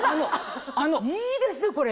いいですねこれ。